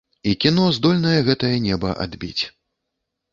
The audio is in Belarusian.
І кіно здольнае гэтае неба адбіць.